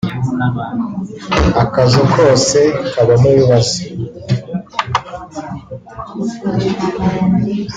Akazo kose kabamo ibibazo